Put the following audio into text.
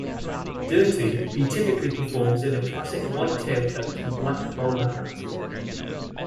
Dirty, he typically performs in a classic white tailcoat and black bowler hat.